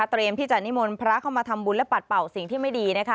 เตรียมพี่จดนิมนต์พระเข้ามาทำบุญและปัดเป่าสิ่งที่ไม่ดี